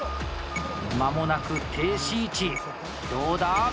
間もなく停止位置、どうだ？